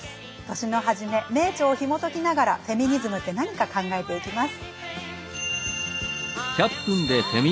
年のはじめ名著をひもときながらフェミニズムって何か考えていきます。